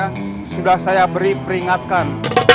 tanah dan rumahnya sudah saya beri peringatkan